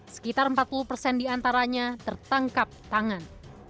sekitar empat puluh persen diantaranya tertangkap tangan